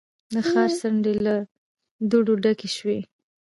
د ښار څنډې له دوړو ډکې شوې.